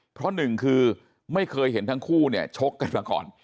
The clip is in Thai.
เพราะหนึ่งคือไม่เคยเห็นทั้งคู่เนี่ยชกกันมาก่อน